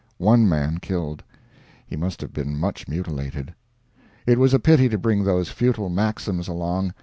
One man killed. He must have been much mutilated. It was a pity to bring those futile Maxims along.